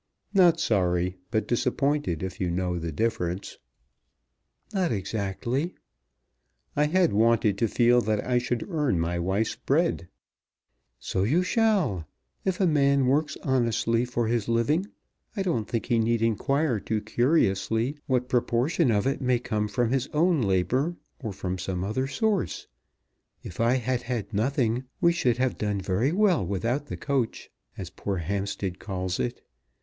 "Not sorry, but disappointed, if you know the difference." "Not exactly." "I had wanted to feel that I should earn my wife's bread." "So you shall. If a man works honestly for his living, I don't think he need inquire too curiously what proportion of it may come from his own labour or from some other source. If I had had nothing we should have done very well without the coach, as poor Hampstead calls it.